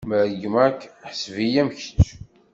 Ma regmeɣ-k, ḥseb-iyi am kečč.